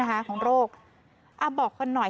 อ้าวบอกคนหน่อย